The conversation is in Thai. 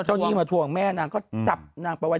หนี้มาทวงแม่นางก็จับนางไปไว้